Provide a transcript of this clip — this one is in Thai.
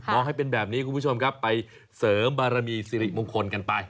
ให้เป็นแบบนี้คุณผู้ชมครับไปเสริมบารมีสิริมงคลกันไป